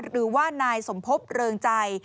หรือว่านายสมภพเริงใจ